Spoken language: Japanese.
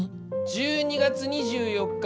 １２月２４日